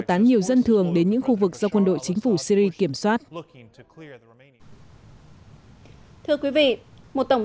tán nhiều dân thường đến những khu vực do quân đội chính phủ syri kiểm soát thưa quý vị một tổng